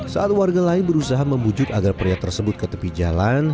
saat warga lain berusaha membujuk agar pria tersebut ke tepi jalan